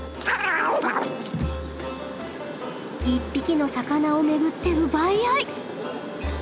一匹の魚を巡って奪い合い。